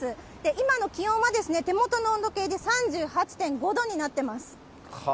今の気温は手元の温度計で３８．５度になってます。